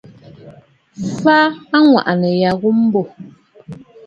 Fa aŋwàʼànə̀ ya ghu mbô.